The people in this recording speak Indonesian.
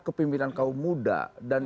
kepimpinan kaum muda dan